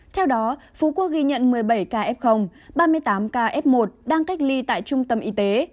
theo đó phú quốc ghi nhận một mươi bảy ca f ba mươi tám ca f một đang cách ly tại trung tâm y tế